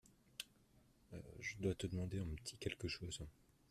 je dois te demander un petit quelque chose.